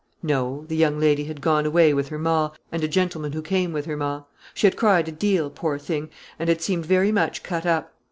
No; the young lady had gone away with her ma, and a gentleman who came with her ma. She had cried a deal, poor thing, and had seemed very much cut up.